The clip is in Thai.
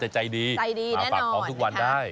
ใจดีมาฝากของทุกวันได้